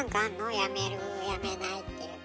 やめるやめないっていうの。